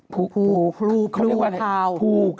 ภูครูขาว